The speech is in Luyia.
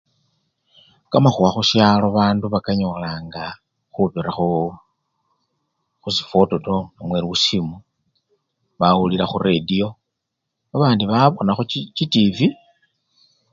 kamahuwa hushalo bandu bakanyolanga hubirira huu husifwototo namwe lusiimu bawulila huredio babandi babona hu chi chitivi